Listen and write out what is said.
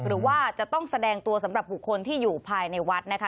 หรือว่าจะต้องแสดงตัวสำหรับบุคคลที่อยู่ภายในวัดนะคะ